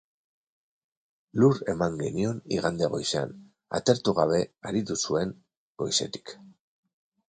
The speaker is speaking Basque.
Lur eman genion igande goizean, atertu gabe aritu zuen goizetik.